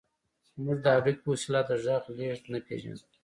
موږ د هډوکي په وسيله د غږ لېږد نه پېژاند.